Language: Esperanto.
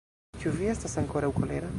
Ĉu vi estas aukoraŭ kolera?